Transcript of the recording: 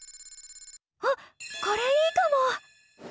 あっこれいいかも！